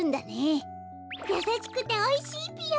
やさしくておいしいぴよ。